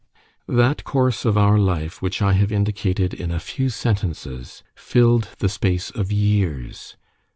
That course of our life which I have indicated in a few sentences filled the space of years.